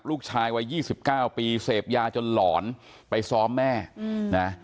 ลูกชายวัยยี่สิบเก้าปีเสพยาจนหลอนไปซ้อมแม่อืมนะ